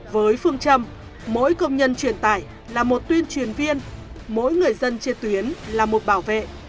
với phương châm mỗi công nhân truyền tải là một tuyên truyền viên mỗi người dân trên tuyến là một bảo vệ